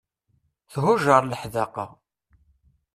Thuǧer leḥdaqa.